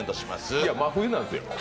いや、真冬なんですよ。